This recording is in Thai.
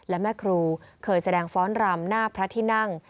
และแม่ครูเคยแสดงฟ้อนรำหน้าพระที่นั่ง